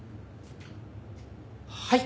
はい。